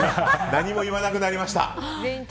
何も言わなくなりました。